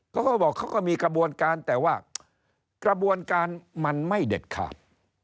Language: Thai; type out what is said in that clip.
เขาก็บอกเขาก็มีกระบวนการแต่ว่ากระบวนการมันไม่เด็ดขาด